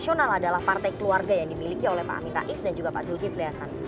nasional adalah partai keluarga yang dimiliki oleh pak amin rais dan juga pak zulkifli hasan